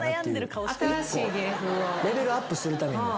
１個レベルアップするために。